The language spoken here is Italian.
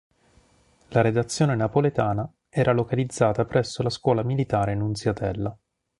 La redazione "napoletana" era localizzata presso la Scuola Militare Nunziatella.